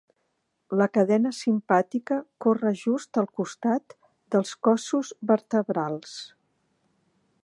La cadena simpàtica corre just al costat dels cossos vertebrals.